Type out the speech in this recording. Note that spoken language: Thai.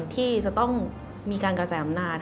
ที่จะต้องมากระแต่อำนาจ